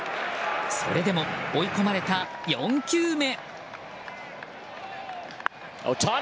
それでも、追い込まれた４球目。